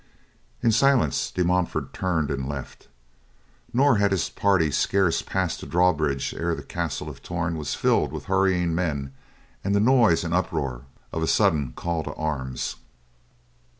In silence De Montfort turned and left, nor had his party scarce passed the drawbridge ere the castle of Torn was filled with hurrying men and the noise and uproar of a sudden call to arms.